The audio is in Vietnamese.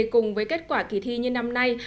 cùng với kết quả kỳ thi như năm nay